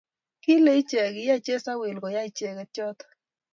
kile icheke kiyei chesawil koyai icheke choto